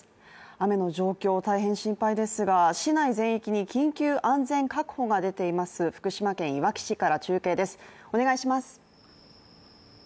雨の状況、大変心配ですが市内全域に緊急安全確保が出ています福島県いわき市から中継です。